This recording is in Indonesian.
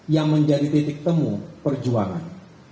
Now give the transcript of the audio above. yang menjadi titik temu perjuangan